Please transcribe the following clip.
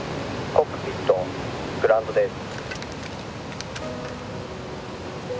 「コックピットグランドです」